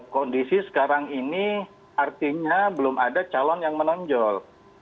kondisi sekarang ini artinya belum ada calon yang menonjol